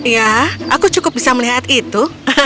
ya aku cukup bisa melihat itu